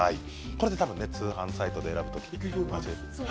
これでたぶん通販サイトで選ぶときにね